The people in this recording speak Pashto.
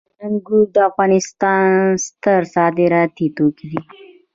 انګور د افغانستان ستر صادراتي توکي دي